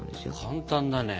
簡単だね。